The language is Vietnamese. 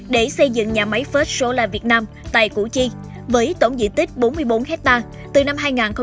để xây dựng nhà máy first solar việt nam tại củ chi với tổng diện tích bốn mươi bốn ha từ năm hai nghìn một mươi bảy